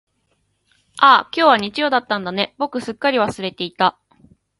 ああ、今日は日曜だったんだね、僕すっかり忘れていた。